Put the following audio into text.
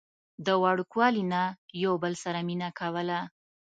د وړوکوالي نه يو بل سره مينه کوله